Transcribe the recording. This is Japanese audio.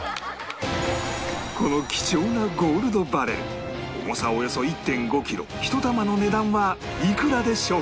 この貴重なゴールドバレル重さおよそ １．５ キロ１玉の値段はいくらでしょうか？